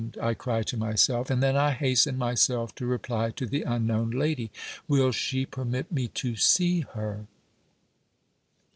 I cry to myself; and then I hasten myself to reply to the unknown lady. Will she permit me to see her?